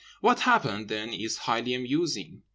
What happened then is highly amusing.